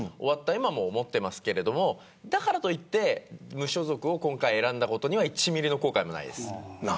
今も思っていますがだからといって無所属を今回、選んだことには１ミリの後悔もないです。